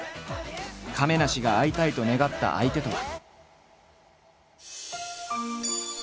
亀梨が会いたいと願った相手とは。